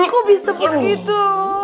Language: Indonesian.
kok bisa begitu